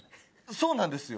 そうなんですよ。